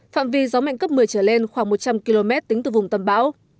phạm vi gió mạnh cấp một mươi trở lên khoảng một trăm linh km tính từ vùng tâm bão